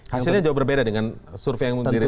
hasilnya juga berbeda dengan survei yang dirilis tadi